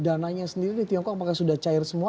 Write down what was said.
dananya sendiri di tiongkok apakah sudah cair semua